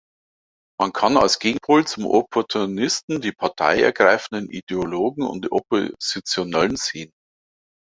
Man kann als Gegenpol zum Opportunisten die Partei ergreifenden Ideologen und Oppositionellen sehen.